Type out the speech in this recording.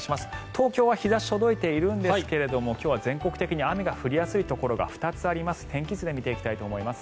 東京は日差し届いているんですけれども今日は全国的に雨が降りやすいところが２つあります。